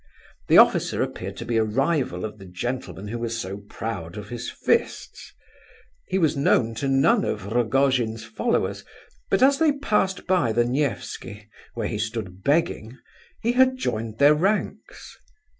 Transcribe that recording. The officer appeared to be a rival of the gentleman who was so proud of his fists. He was known to none of Rogojin's followers, but as they passed by the Nevsky, where he stood begging, he had joined their ranks.